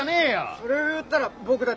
それを言ったら僕だって。